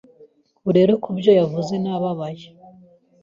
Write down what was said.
Ubu rero kubyo yavuze nabaye